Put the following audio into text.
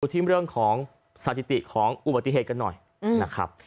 สิมพุทธิมเรื่องของสถิติของอุบัติเหตุกันหน่อยสวัสดีครับ